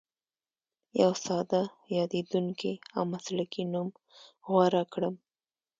یو ساده، یادېدونکی او مسلکي نوم غوره کړه.